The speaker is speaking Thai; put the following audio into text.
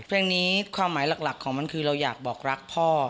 เพลงนี้ความหมายหลักของมันคือเราอยากบอกรักพ่อ